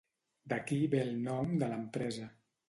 D'aquí ve el nom de l'empresa.